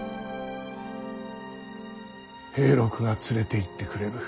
平六が連れていってくれる。